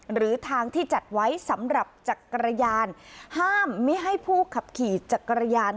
หรือทางที่จัดไว้สำหรับจักรยานห้ามไม่ให้ผู้ขับขี่จักรยาน